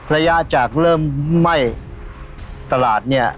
ระยะจากเริ่มไหม้ตลาดเนี่ย